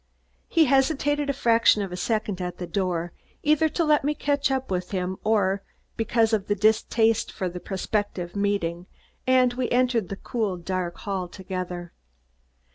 He hesitated a fraction of a second at the door, either to let me catch up with him or because of distaste for the prospective meeting, and we entered the cool dark hall together.